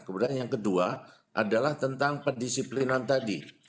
kemudian yang kedua adalah tentang pendisiplinan tadi